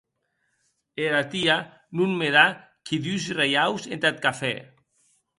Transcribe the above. Era tia non me da que dus reiaus entath cafè.